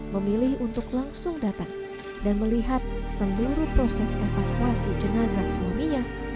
memilih untuk langsung datang dan melihat seluruh proses evakuasi jenazah suaminya